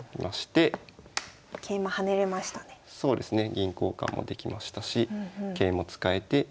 銀交換もできましたし桂も使えて。